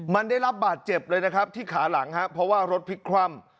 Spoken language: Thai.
มันได้รับบาดเจ็บเลยนะครับที่ขาหลังครับเพราะว่ารถพลิกคว่ำ